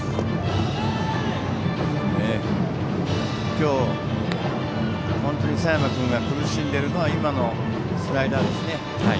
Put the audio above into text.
今日、本当に佐山君が苦しんでいるのは今のスライダーですね。